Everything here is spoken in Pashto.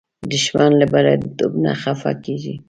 دښمن له بریالیتوب نه خفه کېږي